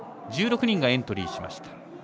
１６人がエントリーしました。